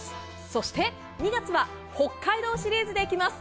そして２月は北海道シリーズでいきます。